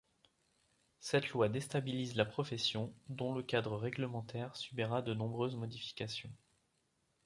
Cette loi déstabilise la profession, dont le cadre réglementaire subira de nombreuses modifications.